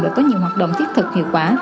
đã có nhiều hoạt động thiết thực hiệu quả